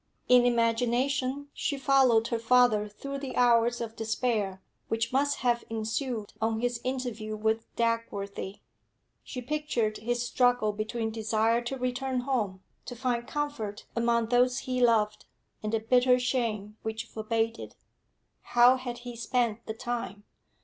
In imagination she followed her father through the hours of despair which must have ensued on his interview with Dagworthy. She pictured his struggle between desire to return home, to find comfort among those he loved, and the bitter shame which forbade it. How had he spent the time?